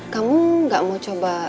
kamu gak mau coba